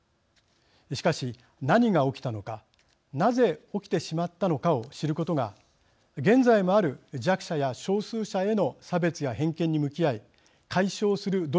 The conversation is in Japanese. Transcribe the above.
しかし何が起きたのかなぜ起きてしまったのかを知ることが現在もある弱者や少数者への差別や偏見に向き合い解消する努力につながります。